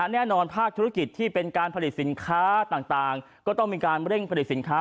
แน่นอนภาคธุรกิจที่เป็นการผลิตสินค้าต่างก็ต้องมีการเร่งผลิตสินค้า